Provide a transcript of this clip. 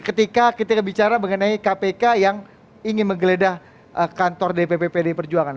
ketika kita bicara mengenai kpk yang ingin menggeledah kantor dpp pdi perjuangan